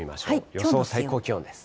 予想最高気温です。